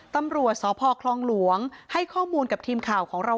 ตำรวจสพคลองหลวงให้ข้อมูลกับทีมข่าวของเรา